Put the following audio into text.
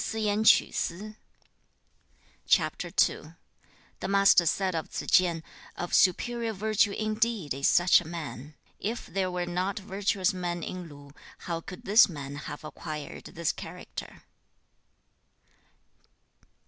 II. The Master said of Tsze chien, 'Of superior virtue indeed is such a man! If there were not virtuous men in Lu, how could this man have acquired this character?'